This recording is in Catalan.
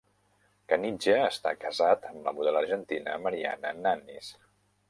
Caniggia està casat amb la model argentina Mariana Nannis.